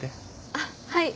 あっはい。